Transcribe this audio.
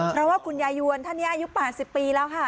เพราะว่าคุณยายวนท่านนี้อายุ๘๐ปีแล้วค่ะ